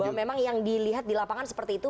bahwa memang yang dilihat di lapangan seperti itu